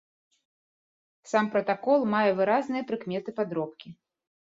Сам пратакол мае выразныя прыкметы падробкі.